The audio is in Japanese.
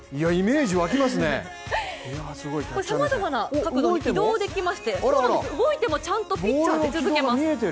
さまざまな角度に移動できまして、動いてもちゃんとピッチャー出続けます。